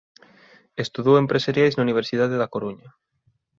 Estudou Empresariais na Universidade da Coruña.